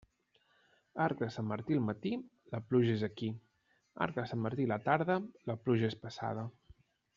Arc de Sant Martí al matí, la pluja és aquí; arc de Sant Martí a la tarda, la pluja és passada.